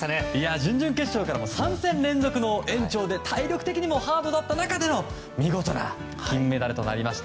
準々決勝から３戦連続の延長で体力的にもハードだった中での見事な金メダルとなりました。